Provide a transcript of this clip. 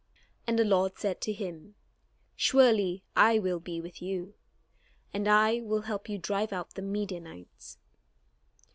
And the Lord said to him: "Surely I will be With you, and I will help you drive out the Midianites."